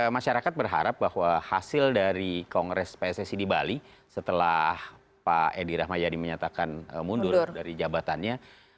masyarakat berharap bahwa hasil dari kongres pssi di bali setelah pak edi rahmayadi menyatakan mundur dari jabatannya